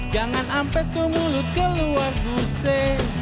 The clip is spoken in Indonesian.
jangan ampe tuh mulut keluar guse